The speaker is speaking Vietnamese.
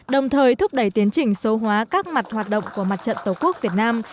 đồng thời thúc đẩy tiến trình sâu hóa các mặt hoạt động của mặt trận tổ quốc việt nam